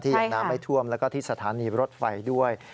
อย่างน้ำไม่ท่วมแล้วก็ที่สถานีรถไฟด้วย